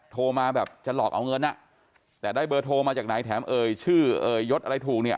โทรมาแบบจะหลอกเอาเงินอ่ะแต่ได้เบอร์โทรมาจากไหนแถมเอ่ยชื่อเอ่ยยศอะไรถูกเนี่ย